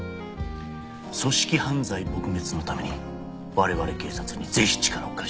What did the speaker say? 組織犯罪撲滅のために我々警察にぜひ力を貸してほしい。